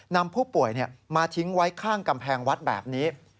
นำผู้ป่วยมาทิ้งไว้ข้างกำแพงวัดแบบนี้